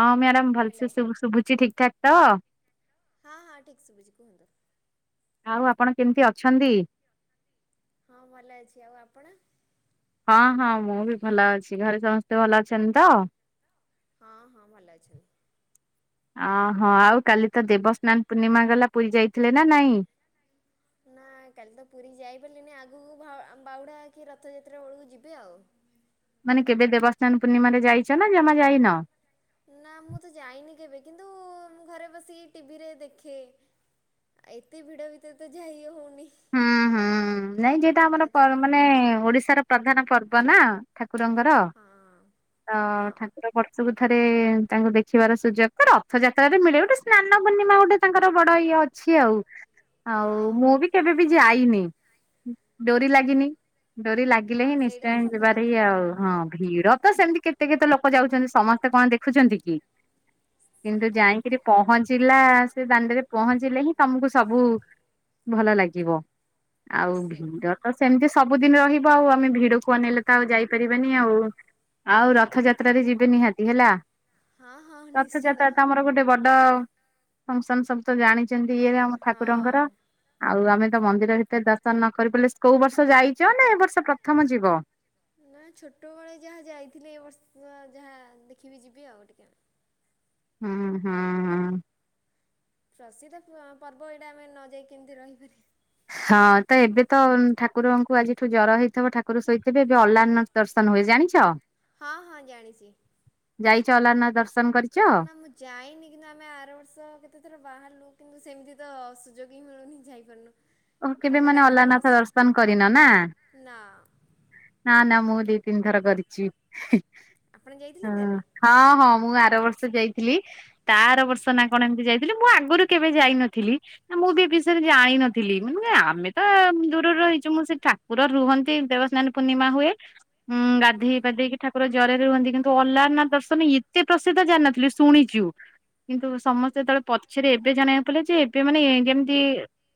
ହଁ madam hello. ଭଲସେ ଶୁଭୁଛି ଠିକ୍ ଠାକ୍ ତ ହଁ ହଁ ଠିକ୍ ସୁ ଭଜ କୁହୁନ୍ତ? ଆଉ ଆପଣ କେମିତି ଅଛନ୍ତି? ହଁ ଭଲ ଅଛି, ଆଉ ଆପଣ? ହଁ ହଁ ମୁଁ ବି ଭଲ ଅଛି, ଘରେ ସମସ୍ତେ ଭଲ ଅଛନ୍ତି ତ? ହଁ ହଁ ଭଲ ଅଛ। ଅହୋ ଆଉ କାଲି ତ ଦେବସ୍ନାନ ପୂର୍ଣ୍ଣିମା ଗଲା ପୁରୀ ଯାଇଥିଲେ ନା ନାଇଁ? ନା କାଲି ତ ପୁରୀ ଯାଇପାରିଲିନି ଆଗକୁ ବାହୁଡା କି ରଥଯାତ୍ରା ବେଳକୁ ଯିବେ ଆଉ। ମାନେ କେବେ ଦେବସ୍ନାନ ପୂର୍ଣ୍ଣିମାରେ ଯାଇଛ ନା ଜମା ଯାଇନ? ନା ମୁଁ ତ ଯାଇନି, କେବେ କିନ୍ତୁ ମୁଁ ଘରେ ବସି ଟିଭିରେ ଦେଖେ ଆ ଏତେ ଭିଡ ଭିତରେ ତ ଯାଇ ହଉନ ହୁଁ ହୁଁ ନାଇଁ ଯଟା ଆମର ଆଉ ତାଙ୍କ ମାନେ ଓଡିଶାର ପ୍ରଧାନ ପର୍ବ ନା ଠାକୁରଙ୍କର ହଁ। ତ ହଁ ଠାକୁର ବର୍ଷକୁ ରଥରେ ତାଙ୍କୁ ଦେଖିବାର ସୁଯୋଗ ତ ରଥଯାତ୍ରାରେ ମିଳେ ଗୋଟେ ସ୍ନାନ ପୂର୍ଣ୍ଣିମା ଗୋଟେ ତାଙ୍କର ବଡ ଇଏ ଅଛି ଅଛି ଆଉ ଆଉ ହଁ ମୁଁ ବି କେବେ ବି ଯାଇନି ଡୋରି ଲାଗିନି ଡୋରି ଲାଗିଲେ ହଁ ହିଁ ସେଇଟା ତ ନିଶ୍ଚୟ ସତ ଯିବାରି କଥା ଆଉ ହଁ ଭୀଡ ତ ସେମତି କେତେ କେତେ ଲୋକ ଯାଉଛନ୍ତି ସମସ୍ତେ କଣ ଦେଖୁଛନ୍ତି କି କିନ୍ତୁ ସେଇଟା ଠିକ୍। ଯାଇକିରି ପହଞ୍ଚିଲା ସେ ଦାଣ୍ଡରେ ପହଞ୍ଚିଲେ ହିଁ ତମକୁ ସବୁ ଭଲ ଲାଗିବ ଆଉ ସେ ଭିଡ ତ ସେମିତି ସବୁଦିନ ରହିବ ଆଉ ଆମେ ଭିଡକୁ ଅନେଇଲେ ତ ଆଉ ଯାଇପାରିବାନି ଆଉ ଆଉ ରଥଯାତ୍ରାରେ ଯିବେ ନିହାତି ହେଲା ହଁ ହଁ ନିଶ୍ଚିନ୍ତ ରଥଯାତ୍ରା ତ ଆମର ଗୋଟେ ବଡ ପଂକ୍ସନ ସବୁ ତ ଜାଣିଛ କେମିତି ଇଏ ଆମ ଠାକୁରଙ୍କର ହଁ। ଆଉ ଆମେ ମନ୍ଦିର ଭିତରେ ଦର୍ଶନ ନ କରି ପାଇଲେ କୋଉ ବର୍ଷ ଯାଇଛ ନା ଏ ବର୍ଷ ପ୍ରଥମ ଯିବ ନା ଛୋଟବେଳେ ଯାହା ଯାଇଥିଲି ଏ ବର୍ଷ ତ ଯାହା ଦେଖିବି ଯିବି ଆଉ ହୁଁ ହୁଁ ହୁଁ ପ୍ରସିଦ୍ଧ ପର୍ବ ଏଇଟା ଆମେ ନ ଯାଇକ କେମିତି ରହିପାରିବୁ ହଁ ତ ଏବେ ତ ଠାକୁରଙ୍କୁ ଆଜିଠୁ ଜର ହେଇଥିବ ଠାକୁର ଶୋଇଥିବେ ଏବେ ଅଲାରନାଥ ଦର୍ଶନ ହୁଏ ଜାଣିଛ ହଁ ହଁ ଜାଣିଛି ଯାଇଛ ଅଲାରନାଥ ଦର୍ଶନ କରିଛ? ନା ମୁଁ ଯାଇନି କିନ୍ତୁ ଆମେ ଆର ବର୍ଷ କେତେ ଥର ବାହାରିଲୁ କିନ୍ତୁ ସେମିତି ତ ସୁଯୋଗ ହିଁ ମିଳୁନି ଯାଇପାରୁନୁ ଓ କେବେ ତାଙ୍କ ମାନେ ଡାକରା ନ ଅଲାନାଥ ଆସି ଦର୍ଶନ କରିନ ନା ନା ନା ନା ମୁଁ ଦି ତିନି ଥର କରିଛି ଆପଣ ହଁ ଯାଇଥିଲେ କି ତାହାଲେ ହଁ ହଁ ମୁଁ ଆର ବର୍ଷ ଯାଇଥିଲି ତା ଆର ବର୍ଷ ନା କଣ ଏମିତି ଯାଇଥିଲି ମୁଁ ଆଗରୁ କେବେ ଯାଇ ନଥିଲି ନା ମୁଁ ବି ବିଷୟରେ ଜାଣିିନଥିଲି ଆମେ ତ ଦୂରରୁ ରହିଛୁ ମୁଁ ସେ ଠାକୁର ରୁହନ୍ତି ଦେବସ୍ନାନ ପୂର୍ଣ୍ଣିମା ହୁଏ ହୁଁ ହଁ ଗାଧେଇ ପାଧେଇକି ଠାକୁର ଜ୍ୱରରେ ରୁହନ୍ତି କିନ୍ତୁ ଅଲାରନାଥ ଦର୍ଶନ ଏତେ ପ୍ରସିଦ୍ଧ ଜାଣି ନଥିଲି ଶୁଣିଛୁ କିନ୍ତୁ ସମସ୍ତେ ଯେତେବେଳେ ପଛରେ ଏବେ ଯାଣିବାକୁ ପାଇଲେ ଯେ ଏବେ ମାନେ ଯେମିତି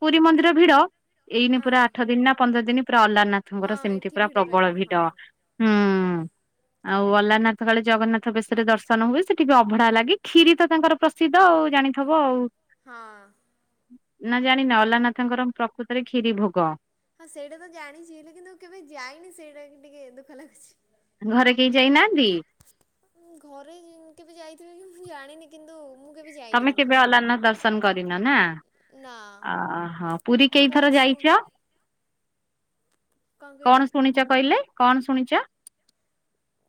ପୁରୀ ମନ୍ଦିର ଭିଡ଼ ଏଇନି ହଁ ପୁରା ଆଠ ଦିନ ନା ପନ୍ଦର ଦିନ ପୁରା ହଁ ଅଲାରନାଥଙ୍କର ସେମିତି ଏଠି ପୁରା ଭିଡ଼ ପ୍ରବଳ ରହିବା ଭିଡ ହଁ ହୁଁ ଆଉ ଅଲା ଜଗନ୍ନାଥ କାଳେ ଜଗନ୍ନାଥ ବେଶରେ ଦର୍ଶନ ହୁଏ ସେଠିଭି ଅଭଡା ଲାଗି କ୍ଷୀରି ତ ତାଙ୍କର ପ୍ରସିଦ୍ଧ ଆଉ ଜାଣିଥିବ ଆଉ ହଁ ନା ଜାଣିନ ଅଲାରନାଥଙ୍କର ପ୍ରକୃତରେ କ୍ଷୀରି ଭୋଗ ହଁ ସେଇଟା ତ ଜାଣିଛି ହେଲେ କିନ୍ତୁ କେବେ ଯାଇନି ସେଇଟା ଟିକେ ଦୁଃଖ ଲାଗୁଛି ଘରେ କେହି ଯାଇନା ଘରେ କେବେ ଯାଇଥିବେ କି ମୁଁ ଜାଣିନି କିନ୍ତୁ ମୁଁ କେବେ ଯାଇନି ତମେ କିନ୍ତୁ କେବେ ଅଲାରନାଥ ଦର୍ଶନ କରିନ ନା ନା ଅହଁ ପୁରୀ କିନ୍ତୁ କେଇଥର ବହୁତ ଶୁ ଯାଇଛ କଣ ଶୁଣିଛ କହିଲେ କଣ ଶୁଣିଛ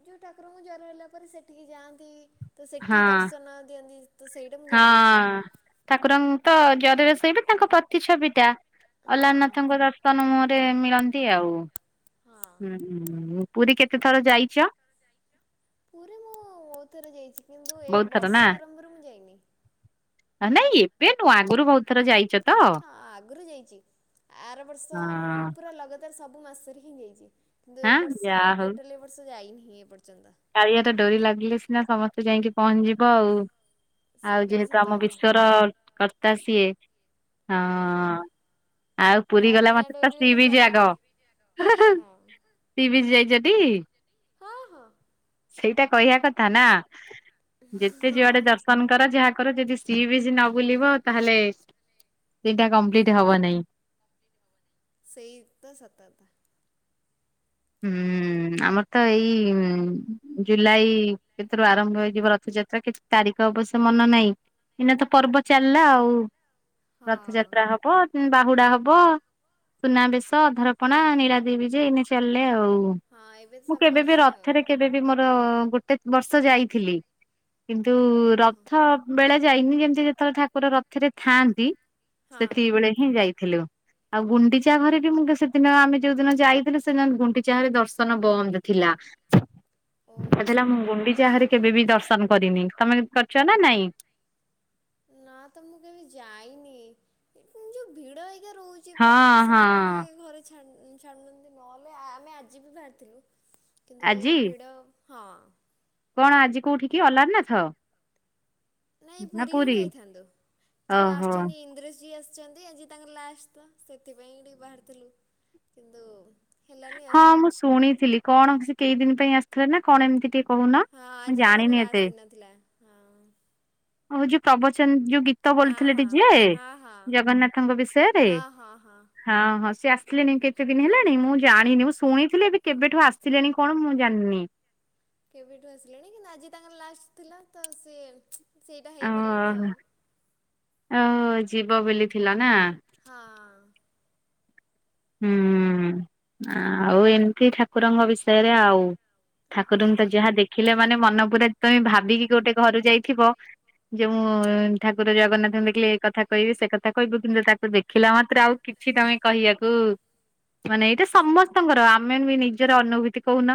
ଯୋଉ ଠାକୁରଙ୍କୁ ଜର ହେଲା ପରେ ସେଠିକି ଯାଆନ୍ତି ତ ସେଠି ହଁ ଦର୍ଶନ ଦିଅନ୍ତି ତ ସେଇଟା ମୁଁ ଜାଣିଛି ହଁ। ଠାକୁରଙ୍କ ତ ଜରରେ ଶୋଇବେ ତାଙ୍କ ପ୍ରତି ଛବି ଟା ହଁ ଅଲାରନାଥ ଙ୍କ ଦର୍ଶନ ମୁହତ୍ ରେ ମିଳନ୍ତି ଆଉ ହଁ। ହୁଁ ହୁଁ ପୁରୀ କେତେ ଥର ଯାଇଛ ପୁରୀ ମୁଁ ବହୁତ ଥର ଯାଇଛି କିନ୍ତୁ ଏ ବହୁତ ଥର ନା ବର୍ଷା ଆରମ୍ଭରୁ ମୁଁ ଯାଇନି ନାଇଁ ଏବେ ନୁହଁ ଆଗରୁ ବହୁତ ଥର ଯାଇଛ ତ? ହଁ ଆଗରୁ ଯାଇଛି ଆର ବର୍ଷ ମୁଁ ହଁ ପୁରା ଲଗାତାର ସବୁ ସବୁ ମାସରେ ହିଁ ଯାଇଛି କିନ୍ତୁ ଏ ହାଁ ବର୍ଷ ଟୋଟାଲ ଏ ବର୍ଷ ଯାଇନି ଏ ପର୍ଯ୍ୟନ୍ତ। କାଳିଆ ତ ଡୋରି ଲାଗିଲେ ସିନା ସମସ୍ତେ ଯାଇକି ପହଞ୍ଚିଯିବ ଆଉ। ଆଉ ସେଇଟା ତ ଯେହେତୁ ସତ ଆମ ବିଶ୍ଵର କର୍ତ୍ତା ସିଏ। ହୁଁ। ହଁ ଆଉ ପୁରୀ ଗଲା ମାନେ ତ ସିିବିଚି ଆଗ। ଯାଇହବନି ହଁ। ସି ବି ଚି ଯାଇଛ ଟି? ହଁ ହଁ। ସେଇଟା କହିବା କଥା ନା ଯେତେ ଯୁଆଡେ ହଁ ଦର୍ଶନ କର ଯାହା କର ଯଦି ସି ବି ଚି ନ ବୁଲିବ ତାହେଲେ ସେଟା ସେ କମ୍ପ୍ଲିଟ ହବ ନାହିଁ। ସେଇ ତ ସତକଥା। ହୁଁ। ହଁ ଆମର ତ ଏଇ ଜୁଲାଇଥିରୁ ଆରମ୍ଭ ହେଇଯିବ ରଥଯାତ୍ରା କେତେ ତାରିଖ? ଅବଶ୍ୟ ମନେ ନାହିଁ ଏଇନା ତ ପର୍ବ ଚାଲିଲା ଆଉ ହଁ ରଥଯାତ୍ରା ହବ। ବାହୁଡା ହବ ସୁନାବେଶ ଅଧରପଣା ନୀଳାଦି ବିଜ ଏଇନେ ଚାଲିଲେ ଆଉ। ହଉ ହଁ ଏବେ ତ ମୁଁ ସବୁ କେବେବି ଅଛି ଆଉ। ରଥରେ କେବେ ବି ମୋର ଗୋଟେ କେତେ ବର୍ଷ ଯାଇଥିଲି କିନ୍ତୁ ଓହୋ। ରଥ ବେଳେ ଯାଇନି ଯେମିତି ଯେତେବେଳେ ଠାକୁର ରଥରେ ଥାଆନ୍ତି ହଁ ସେତିକି ବେଳେ ହିଁ ଯାଇଥିଲୁ। ଆଉ ଗୁଣ୍ଡିଚା ଘରେ ବି ମୁଁ ସେଦିନ ଆମେ ଯୋଉ ଦିନ ଯାଇଥିଲୁ। ଗୁଣ୍ଡିଚା ଦର୍ଶନ ବନ୍ଦ ଥିଲା ଓହୋ କହୁଥିଲା ମୁଁ ଗୁଣ୍ଡିଚାରେ ଘର କୁ କେବେ ବି ଦର୍ଶନ କରିନି ତମେ କରିଛ ନା ନାଇଁ? ନା ତ ମୁଁ କେବେ ଯାଇନି ମୁଁ ଯୋଉ ଭିଡ଼ ଟିକେ ରହୁଛି ପ୍ରାୟ ହଁ ହଁ ସେଥିପାଇଁ ଟିକେ ଘରେ ଛାଡୁନାହାନ୍ତି ନହେଲେ ଆମେ ଆଜି ବି ବାହାରିଥିଲୁ। କିନ୍ତୁ ଆଜି ଏଇଭିଡ ହଁ। କଣ ଆଜି କୋଉଠିିକି ଅଲାରନାଥ? ନାଇଁ ପୁରୀ ହିଁ ଯାଇଥାନ୍ତୁ ଯୋଉ ଓହୋ। ଆସୁଛନ୍ତି ଇନ୍ଦ୍ରଜୀ ଆସିଛନ୍ତି ଆଜି ତାଙ୍କର ଲାଷ୍ଟ ସେଥିପାଇଁ ଟିକେ ବାହାରିଥିଲୁ କିନ୍ତୁ ହେଲାନି ଆଉ ହଁ ମୁଁ ଶୁଣିଥିଲି କଣ ସେ କେଇଦିନ ପାଇଁ ଆସିଥିଲେ ନା କଣ ଏମିତି ଟିକେ। କହୁନ? ହଁ ମୁଁ ଆଜି ତାଙ୍କର ଜାଣିନି ଏତେ। ଲାଷ୍ଟ ଦିନ ଥିଲା ହଁ। ହଉଛି ପ୍ରବଚନ ଯୋଉ ଗୀତ ହଁ ବୋଲିଥିଲେ ଟି ହଁ ଯିଏ ହଁ ହଁ ଜଗନ୍ନାଥଙ୍କ ବିଷୟରେ ହଁ ହଁ ହଁ ହଁ। ସେ ଆସିଲେଣି କେତେଦିନି ହେଲାଣି ମୁଁ ଜାଣିନି ମୁଁ ଶୁଣିଥିଲି ଏବେ କେବେଠୁ ଆସିଲେଣିି କଣ ମୁଁ ଜାନିନି। କେବେଠୁ ଆସିଲେଣି କିନ୍ତୁ ଆଜି ତାଙ୍କର ଲାଷ୍ଟ ଥିଲା ତ ସିଏ ସେଇଟା ଅ ହେଇପାରିଲାଣିି ଆଉ। ଓ ହ ଯିବବୋଲି ଥିଲା ନା। ହଁ। ହୁଁ ହୁଁ ଆଉ ଏମିତି ଠାକୁରଙ୍କ ବିଷୟରେ ଆଉ। ହଁ। ଠାକୁରଙ୍କୁ ତ ଯାହା ଦେଖିଲେମାନେ ମନପୁରା ତମେ ଭାବିକି ଗୋଟେ ଘରୁ ଯାଇଥିବ ଯେଉଁ ଠାକୁର ଜଗନ୍ନାଥଙ୍କୁ ଦେଖିଲି ଏ କଥା କହିବି ସେ କଥା କହିବୁ କିନ୍ତୁ ତାକୁ ଦେଖିଲା ମାତ୍ରେ ଆଉ। କିଛି ତମେ କହିବାକୁ ହୁଁ ମାନେ ଏଇଟା ସମସ୍ତଙ୍କର ଆମେ ବି ନିଜର ଅନୁଭୂତି କହୁନ।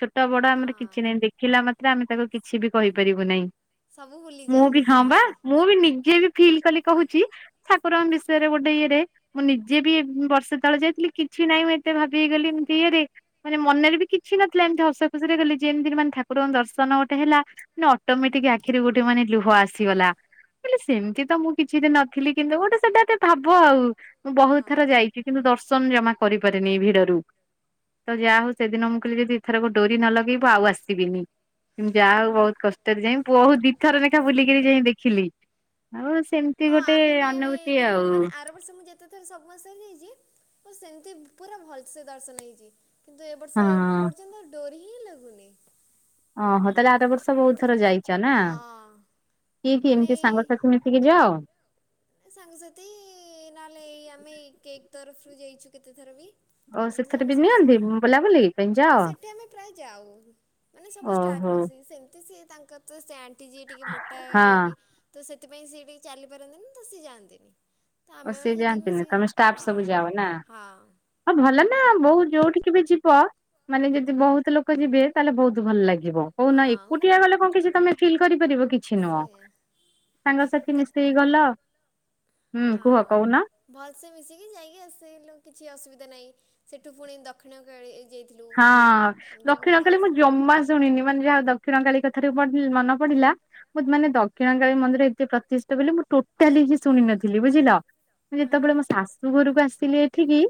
ଛୋଟ ବଡ ଆମର କିଛି ହଁ। ନାହିଁ ଦେଖିଲା ମାତ୍ରେ ଆମେ ତାକୁ କିଛି ବି କହିପାରିବୁ ନାହିଁ। ସବୁ ଭୁଲି ମୁଁ ଯାଆନ୍ତି ବି ହଁ ବା ସମସ୍ତେ। ମୁଁ ବି ନିଜେ ବି। ଫିଲ୍ କଲି କହୁଛି ଠାକୁରଙ୍କ ବିଷୟରେ ଗୋଟେ ଇଏରେ ମୁଁ ନିଜେ ବି ବର୍ଷ ସେତେବେଳେ ଯାଇଥିଲି କିଛି ନାହିଁ ମୁଁ ଏତେ ଭାବିକିଗଲି ଏମତି ଇରେ ମାନେ ମନରେ ବି କିଛି ନଥିଲା ଏମିତି ହସ ଖୁସିରେ ଗଲି। ଯେମିତିମାନେ ଠାକୁରଙ୍କ ଦର୍ଶନ ଗୋଟେ ହେଲା ନା ଅଟୋମେଟିକ ଆଖିରେ ଗୋଟେମାନେ ଲୁହ ଆସିଗଲା। ମୁଁ କହିଲିସେମିତି ତ ମୁଁ କିଛି ବି ନଥିଲି କିନ୍ତୁ ଗୋଟେ ସେଟା ଗୋଟେ ଭାବ ଆଉ ମୁଁ ବହୁତ ଥର ହଁ। ଯାଇଥିଲି। ସନ ଜମା କରିପାରିନି ଭିଡରୁ। ତ ଯାହାହଉ ସେଦିନ ମୁଁ କହିଲି ଯଦି ଏଥର ଡୋରି ନ ଲଗେଇବୁ ଆଉ ଆସିବିନି। ଯାହା ହଉ ବହୁତ କଷ୍ଟରେ ଯାଇ ବହୁ ଦିଥର ଲେଖା ବୁଲିକରି ଯାଇଦେଖିଲି ଆଉ ସେମିତି ହଁ ଗୋଟେ ଆମେ ବି ଅନୁଭୂତି କିନ୍ତୁ ଆଉ। ମାନେ ଆର ବର୍ଷ ମୁଁ ଯେତେଥର ସବୁ ମାସରେ ଯାଇଛି ସେମିତି ପୁରା ଭଲ ସେ ଦର୍ଶନ ହେଇଛି କିନ୍ତୁ ଏ ବର୍ଷ ଏ ହଁ ପର୍ଯ୍ୟନ୍ତ ଡୋରି ହିଁ ଲାଗୁନି। ଓହୋ, ତାହେଲେ ଆରବର୍ଷ ବହୁତ କେଇଥର ଯାଇଛ ନା ହଁ କିଏ କି ଆମେ ଏମିତି ସାଙ୍ଗସାଥି ଏଇ ମିଶକି ଯାଅ? ସାଙ୍ଗସାଥି ନହେଲେ ଏଇ ଆମେ କେକ୍ ତରଫରୁ ଯାଇଛୁ କେତେଥର ବି ଓ ଏମିତି ସେଥିରେ ବି ସମସ୍ତେ ମିଶି ନିଅନ୍ତି ବୁଲାବୁଲି ପାଇଁ ଯାଅ? କି ସେଠି ଆମେ ପ୍ରାୟ ଯାଉ ମାନେ ସବୁ ଓହୋ ଷ୍ଟାପ ସେମିତି ସିଏ ତାଙ୍କର ତ ସେ ଆଣ୍ଟି ଯିଏ ଟିକେ ମୋଟା ହଁ। ହେଇକି ତ ସେଥିପାଇଁ ସେ ଟିକେ ଚାଲି ପାରନ୍ତିନି ତ, ସେ ଯାଆନ୍ତିନି। ତ ଓ ସିଏ ଆମେମାନେ ଯେତିକି ଯାଆନ୍ତିନି ମିଶିକି ତମେ ଷ୍ଟାଫ ହଁ ସବୁ ଯାଅ ନା, ହଁ। ହଉ ଭଲ ନା ବହୁ ଯୋଉଠି ଯେ ଯିବ ମାନେ ଯଦି ବହୁତଲୋକ ଯିବେ ତାହେଲେ ବହୁତ ଭଲଲାଗେ। ଯିବ କୋଉଦିନ ହଁ ଗୋଟେ ଏକୁଟିଆ ଗଲେ କଣ କିଛି ତମେ ଫିଲ୍ କରିପାରିବ କି? କିଛି ନୁହଁ, ସେୟା ସାଙ୍ଗସାଥି ତ ମିଶିକି ଗଲ? ହୁଁ ହଁ କୁହ କହୁନ ଭଲସେ ମିଶିକି ଯାଇକି ଆସିଲୁ, କିଛି ଅସୁବିଧା [unintelligible] ନାହଁ ସେଠୁ ପୁଣି ଦକ୍ଷିଣ କାଳୀ ହଁ ଦକ୍ଷିଣ କାଳି ମୁଁ ଜମା ଶୁଣିନି, ମାନେ ଯାହା ଦକ୍ଷିଣ କାଳୀ କଥା ରୁ ମନେ ପଡିଲା, ମୁଁ ମାନେ ଦକ୍ଷିଣ କାଳୀ ମନ୍ଦିର ଏତେ ପ୍ରତିଷ୍ଟା ବୋଲି ମୁଁ ଟୋଟା କିଛି ଶୁଣିନଥିଲି ବୁଝିଲ? ହଁ। ଯେତେବେଳେ ମୋ ଶାଶୁ ଘରକୁ ଆସିଲି ଏଠିକି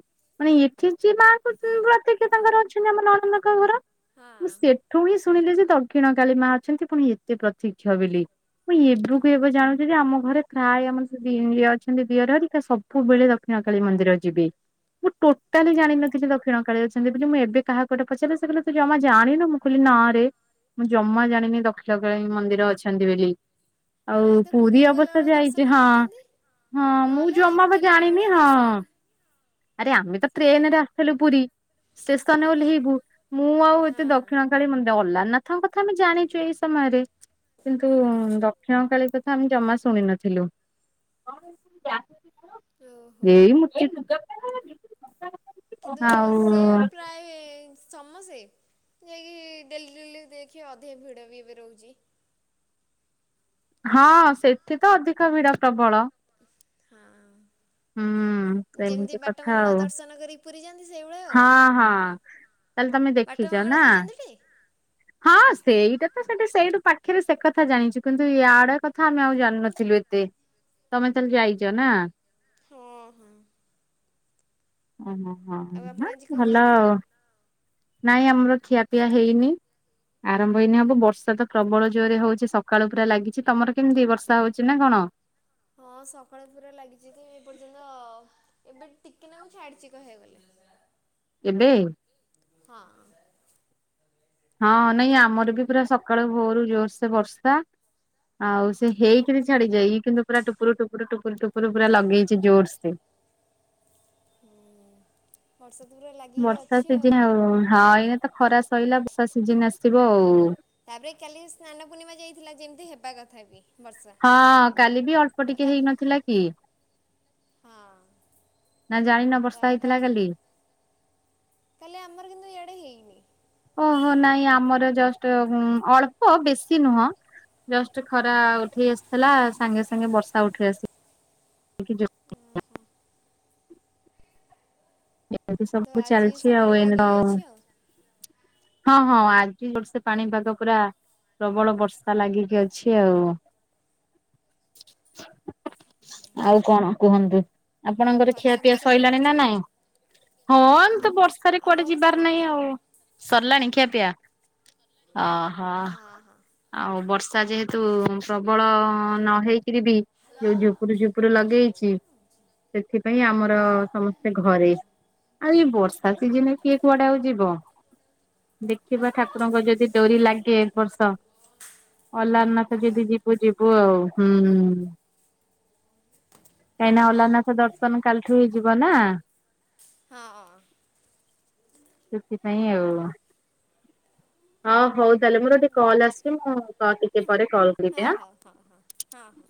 ମାନେ ଏଠି ଯିଏ ମା କରୁଛନ୍ତି ପ୍ରତ ତାଙ୍କର ଅଛନ୍ତି ଆମ ନଣନ୍ଦଙ୍କ ଘର, ହଁ। ମୁ ସେଠୁ ଶୁଣିଲେ ଯେ ଦକ୍ଷିଣ କାଳୀ ମା ଅଛନ୍ତି ପୁଣି ଏତେ ପ୍ରତୀକ୍ଷ ବୋଲି। ମୁଁ [unintelligible] ହୁଁ। କୁ ଏବେ ଜାଉଛି ଯେ ଆମ ଘରେ ପ୍ରାୟ ଆମର ସେ ଦ ଅଛନ୍ତି ଦିଅରିକା ସବୁବେଳେ ଦକ୍ଷିଣ କାଳୀ ମନ୍ଦିର ଯିବେ। ମୁଁ ଟୋଟାଲି ଜାଣିନଥିଲି ଦକ୍ଷିଣ କାଳି ଅଛି। ବୋଲି ମୁଁ ଏବେ କାହାକୁ ଗୋଟେ ପଚାରିଲି ସେ ତୁ ଜମା ଜାଣିନୁ, ମୁଁ କିହିଲି ନାରେ ମୁଁ ଜମା ଜାଣିନି ଦକ୍ଷିଣ କାଳୀ ମନ୍ଦିର ଅଛନ୍ତି ବୋଲି ଆଉ ପ୍ରାୟତଃ ପୁରୀ ଅବଶ୍ୟ ଗଲାବେଳେ ଯାଇଛି, ଦର୍ଶନ ହଁ କରିଦିଅନ୍ତି। ହଁ ମୁଁ ନହେଲେ ଆ ଜମା ବା ଫେରିଲା ଜାଣିନି, ବେଳେ ହଁ ଦର୍ଶନ ଆରେ ଆମେ ତ ଟ୍ରେନ ସେୟା ରେ ଆସିଥିଲୁ ପୁରୀ। ଷ୍ଟେସନ ରେ ଆହା ଓଲ୍ହେଇବୁ, ମୁଁ ଆଉ ଏତେ ହଁ ଦକ୍ଷିଣ କାଳୀ ମ ଅଲାରାନାଥଙ୍କ କଥା ଆମେ ଜାଣିଛୁ ଏଇ ସମୟରେ, କିନ୍ତୁ ହଁ ଦକ୍ଷିଣ କଳୀ କ ଆମେ ଜମା ଶୁଣି ନଥିଲୁ। ଓହୋ। ଏଇ କିନ୍ତୁ ସିଏ ଆଉ ପ୍ରାୟ ସମସ୍ତେ ଯାଇକି ଡେଲି ଡେଲି ଦେଖିବ ଅଧିକ ଭିଡ ବି ଏବେ ରହୁଛି। ହଁ ସେଠି ତ ଅଧିକ ଭିଡ ପ୍ରବଳ। ହଁ ଅଁ ହୁଁ ଉଁ ଯେମିତି ବାଟ ମଙ୍ଗଳା ଦର୍ଶନ କର ପୁରୀ ଯାଆନ୍ତି ସେଇଭଳିଆ ଆଉ ହଁ ହଁ ତାହେଲେ ତମେ ବାଟ ଦେଖିଛ ମଙ୍ଗଳା ନା ଯାଇଛନ୍ତି ଟି? ହଁ ସେଇଟା ତ ସେଠା ସେଇଠୁ ପାଖରେ ସେ କଥା ଜାଣିଛୁ କିନ୍ତୁ ଇଆଡେ କଥା ଆମେ ଆଉ ଜାଣିନଥିଲୁ। ଏତେ ତମେ ତାହଲେ ଯାଇଛ ନା? ହଁ ହଁ ଓ ହୋ ହୋ ଆଉ ଆପଣ ଆଜି କଣ ଭଲ ଆ ଖାଇଥିଲେ? ନାଇଁ ଆମର ଖିଆପିଆ ହେଇନି [inaudible] ଆରମ୍ଭ ହେଇନି ହବ, ବର୍ଷା ତ ପ୍ରବଳ ଜୋରରେ ହଉଛି ସକାଳୁ ପୁରା ଲାଗିଛି ତମର କେମିତି ବର୍ଷା ହଉଛି ନା କଣ? ହଁ ସକାଳେ ପୁରା ଲାଗିଛି ଯେ ଏପର୍ଯ୍ୟନ୍ତ ତ ଏବେ ଟିକେ ନାଗୁ ଛାଡିଛି କହିବାକୁ ଗଲେ ଏବେ। ହଁ। ହଁ ନାଇଁ ଆମର ବି ପୁରା ସକାଳୁ ଭୋରୁ ଜୋର୍ ସେ ବର୍ଷା। ଆଉ ସେ ହେଇକିରି ଛାଡି ଯାଏ ଇଏ କିନ୍ତୁ ପୁରା ଟୁପୁରୁ ଟୁପୁରୁ ଟୁପୁରୁ ପୁରା ଲଗେଇଛି ଜୋରସେ। [unintelligible] ବର୍ଷା ସିଜିନ୍ ଆଉ ହଁ ଏଇନା ତ ଖରା ସଇଲା ବର୍ଷା ସିଜିନ୍ ଆସିବ ଆଉ। ତାପରେ କାଲି ସ୍ନାନ ପୂର୍ଣ୍ଣିମା ଯାଇଥିଲା ଯେମିତି ହେବା କଥା ବି। ବର୍ଷା। ହଁ କାଲି ବି ଅଳ୍ପ ତ ଟିକେ କାଲି ହେଇନଥିଲା କି? ହଁ ନା ଜାଣିନ ବର୍ଷା ହେଇଥିଲା କାଲି? କାଲି ଆମର କିନ୍ତୁ ଇଆଡ଼େ ହେଇନି। ଓହୋ ନାଇଁ ଆମର ଜଷ୍ଟ୍ ଅଳ୍ପ ବେଶୀ ନୁହଁ। ଜଷ୍ଟ୍ ଖରା ଉଠେଇ ଆସିଥିଲା ସାଙ୍ଗେ ସାଙ୍ଗେ ବର୍ଷା ଉଠେଇ ଆସି [unintelligible] ଏବେବି କିନ୍ତୁ ସବୁ ଆଜି ଚାଲିଛି ସକାଳୁ ଆଉ ଲାଗିକି ଅଛି [unintelligible] ଆଉ। ହଁ ହଁ ଆ [unintelligible] ପାଣିପାଗ ପୁରା ପ୍ରବଳ ବର୍ଷା ଲାଗିକି ଅଛି ଆଉ। ଆଉ କଣ କୁହନ୍ତୁ? ଆଉ ଆପଣଙ୍କର ଘରେ ଖିଆ ପିଆ ସମସ୍ତେ କଣ ସଇଲାଣି ନା କରୁଛନ୍ତି? ନାଇଁ? ହଁ ଏମିତି ବର୍ଷାରେ ଆମ କୁଆଡ଼େ ଘରେ ଯିବାର ନାହିଁ ସରିଲାଣି। ଆଉ ସରିଲାଣି ଖିଆ ପିଆ? ଓହୋ ହଁ ହଁ ଆଉ ବର୍ଷ ବର୍ଷା ଯେହେତୁ ପ୍ରବଳ ନ ହେଇକିରି ବି ଯୋଉ ଝୁପୁରୁ ଝୁପୁୁର ଲଗେଇଛି ସେଥିପାଇଁ ଆମର ସମସ୍ତେ ଘରେ। ଆଉ ଏଇ ବର୍ଷା ସିଜନ୍ ରେ କିଏ କୁଆଡ଼େ ଆଉ ଯିବ। ଦେଖିବା ଠାକୁରଙ୍କ ଯଦି ଡୋରି ଲାଗେ ଏ ବର୍ଷ ଅଲାରନାଥ ହ୍ୟାଲୋ ଯଦି ଯିବୁ ଯିବୁ ଆଉ ହୁଁ। କାହିଁନା ଅଲାରନାଥ ଦର୍ଶନ କାଲିଠୁ ହେଇଯିବ ନା। ହଁ ହଁ। ସେଥିପାଇଁ ଆଉ ହଁ ହଉ ତାହେଲେ ମୋର ଗୋଟେ କଲ୍ ଆସିଛି ମୁଁ ଟିକେ ପରେ କଲ୍ କରିବି ହଉ ଆଁ। ହଉ ହଁ ହଁ ହଁ ହଁ।